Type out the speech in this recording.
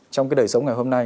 trong cái đời sống ngày hôm nay